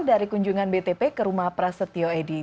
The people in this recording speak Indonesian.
dari kunjungan btp ke rumah prasetyo edy